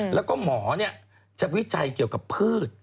แล้วก็หมอจะวิจัยเกี่ยวกับพืช